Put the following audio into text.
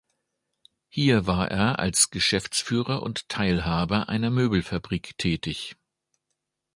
Hier war er als Geschäftsführer und Teilhaber einer Möbelfabrik tätig.